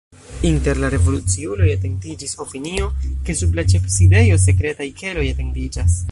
Inter la revoluciuloj etendiĝis opinio, ke sub la ĉefsidejo sekretaj keloj etendiĝas.